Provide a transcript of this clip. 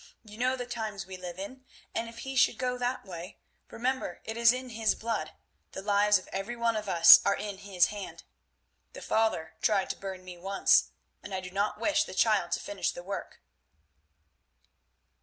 You know the times we live in, and if he should go that way—remember it is in his blood—the lives of every one of us are in his hand. The father tried to burn me once, and I do not wish the child to finish the work."